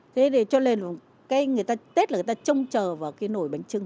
thế để cho lên cái người ta tết là người ta trông chờ vào cái nổi bánh trưng